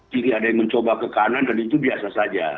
kiri ada yang mencoba ke kanan dan itu biasa saja